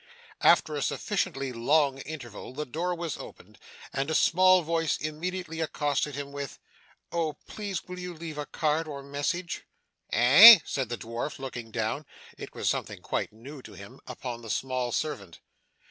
After a sufficiently long interval, the door was opened, and a small voice immediately accosted him with, 'Oh please will you leave a card or message?' 'Eh?' said the dwarf, looking down, (it was something quite new to him) upon the small servant.